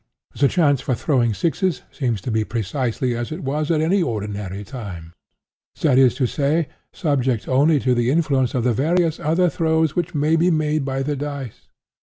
The chance for throwing sixes seems to be precisely as it was at any ordinary time—that is to say, subject only to the influence of the various other throws which may be made by the dice.